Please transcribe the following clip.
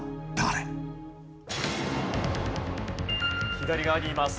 左側にいます。